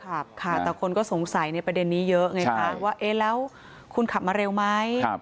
ค่ะแต่คนก็สงสัยในประเด็นนี้เยอะไงคะว่าเอ๊ะแล้วคุณขับมาเร็วไหม